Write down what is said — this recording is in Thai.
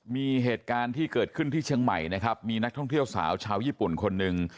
มีเหตุการณ์ที่เกิดขึ้นที่เชียงใหม่นะครับมีนักท่องเที่ยวสาวชาวญี่ปุ่นคนหนึ่ง